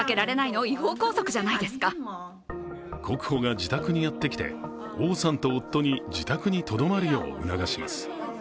国保が自宅にやってきて王さんと夫に自宅にとどまるように促します。